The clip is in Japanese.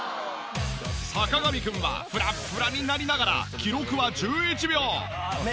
坂上くんはフラッフラになりながら記録は１１秒。